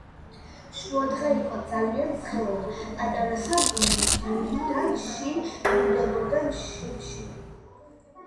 შუადღე იყო ძალიან ცხელოდა პატარა სანდრო მინდვრიდან შინ ბრუნდებოდა შიმშილი